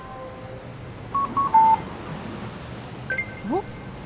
おっ？